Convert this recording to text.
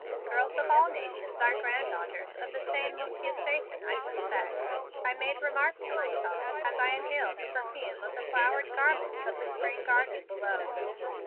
"Girls of all nations are granddaughters of the same Monsieur Satan, I suspect," I made remark to myself as I inhaled the perfume of the flower garments of the spring garden below.